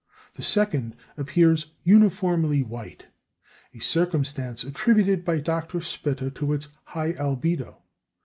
The second appears uniformly white a circumstance attributed by Dr. Spitta to its high albedo.